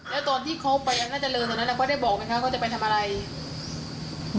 แล้วตอนที่เขาไปน่าจะเลินตอนนั้นก็ได้บอกไหมคะเขาจะไปทำอะไร